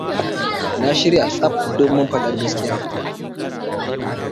Na shirya tsaf domini fadar gaskiya.